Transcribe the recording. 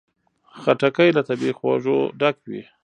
خټکی له طبیعي خوږو ډک وي.